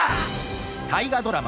大河ドラマ